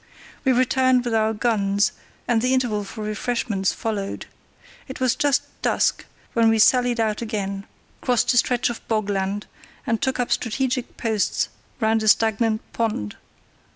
We returned with our guns, and the interval for refreshments followed. It was just dusk when we sallied out again, crossed a stretch of bog land, and took up strategic posts round a stagnant pond.